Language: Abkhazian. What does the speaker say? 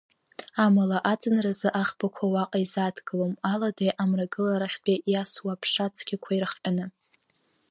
Амала, аӡынразы аӷбақәа уаҟа изааҭгылом, аладеи амрагыларахьынтәи иасуа аԥша цәгьақәа ирыхҟьаны.